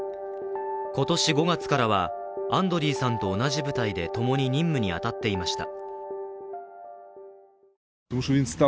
今年５月からはアンドリーさんと同じ部隊で共に任務に当たっていました。